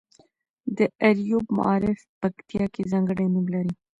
د اریوب معارف پکتیا کې ځانګړی نوم لري.